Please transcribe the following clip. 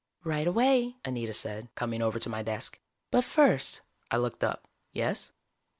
"Right away," Anita said, coming over to my desk. "But first " I looked up. "Yes?"